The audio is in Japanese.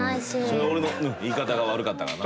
それは俺の言い方が悪かったかな。